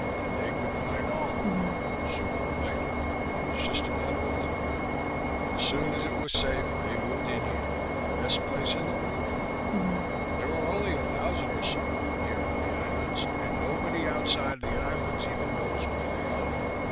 and they could find all of them, sooner or later, it was just a matter of looking. As soon as it was safe they moved in here. Best place in the world for them. "There are only a thousand or so of them here on the Islands, and nobody outside the Islands even knows where they are.